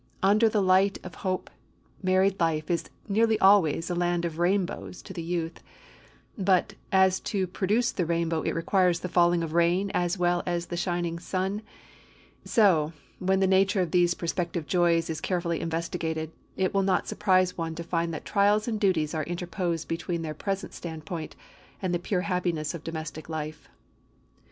Under the light of hope married life is nearly always a land of rainbows to the youth; but, as to produce the rainbow it requires the falling rain as well as the shining sun, so, when the nature of these prospective joys is carefully investigated, it will not surprise one to find that trials and duties are interposed between their present stand point and the pure happiness of domestic life.